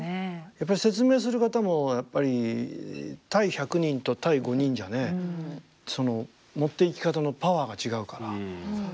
説明する方もやっぱり対１００人と対５人じゃあねその持っていき方のパワーが違うから。